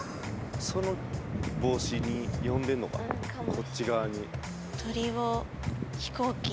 その防止に呼んでんのかなこっち側に。